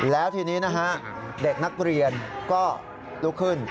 แล้วทีนี้นะฮะเด็กนักเรียนก็ลุกขึ้น